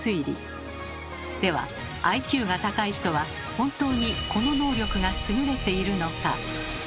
ではＩＱが高い人は本当にこの能力が優れているのか？